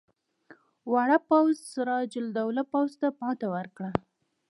واړه پوځ سراج الدوله پوځ ته ماته ورکړه.